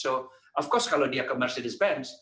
jadi tentu saja kalau dia ke mercedes benz